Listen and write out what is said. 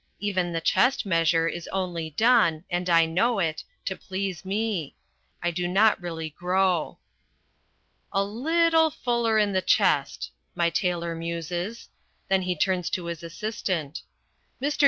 Even the chest measure is only done and I know it to please me. I do not really grow. "A little fuller in the chest," my tailor muses. Then he turns to his assistant. "Mr.